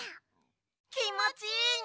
きもちいいね！